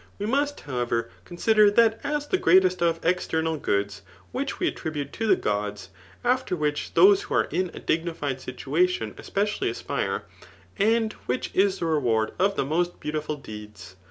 We must, however, consider that as. the greaosst of external goods, which we attribute to the Gods, after which those who are in a dignified situation eq>ecially aspire, and which is the reward of the most b^ratiful deeds.